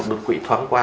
đột quỵ thoáng qua